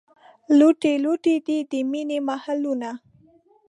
لوټې لوټې دي، د مینې محلونه